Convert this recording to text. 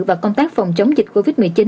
và công tác phòng chống dịch covid một mươi chín